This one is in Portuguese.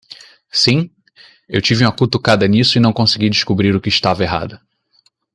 Sim? Eu tive uma cutucada nisso e não consegui descobrir o que estava errado.